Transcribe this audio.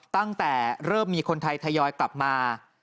ตั้งแต่เริ่มมีคนไทยทยอยกลับมา